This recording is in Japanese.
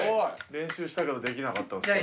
練習したけどできなかったです